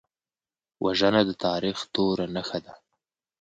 وژنه د تاریخ توره نښه ده